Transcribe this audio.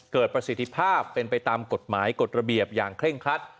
ประสิทธิภาพเป็นไปตามกฎหมายกฎระเบียบอย่างเคร่งครัด